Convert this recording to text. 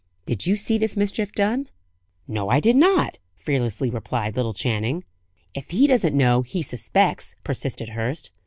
Did you see this mischief done?" "No, I did not!" fearlessly replied little Channing. "If he doesn't know, he suspects," persisted Hurst.